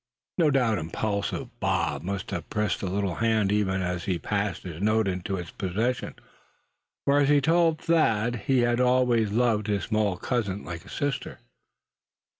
No doubt impulsive Bob must have pressed that little hand even as he passed his note into its possession; for as he told Thad, he had always loved his small cousin like a sister.